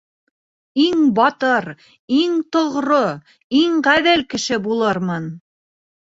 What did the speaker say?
Иң батыр, иң тоғро, иң ғәҙел кеше булырмын...